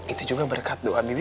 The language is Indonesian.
itu juga berkat doa diri